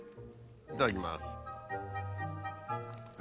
いただきます。